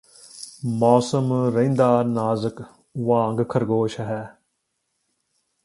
ਮੌਸਮ ਰਹਿੰਦਾ ਨਾਜ਼ੁਕ ਵਾਂਗ ਖ਼ਰਗੋਸ਼ ਹੈ